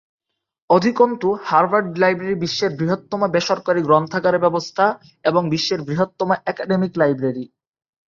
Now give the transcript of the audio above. অধিকন্তু, Harvard library বিশ্বের বৃহত্তম বেসরকারী গ্রন্থাগার ব্যবস্থা এবং বিশ্বের বৃহত্তম একাডেমিক লাইব্রেরি।